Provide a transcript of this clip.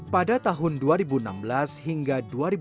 pada tahun dua ribu enam belas hingga dua ribu dua puluh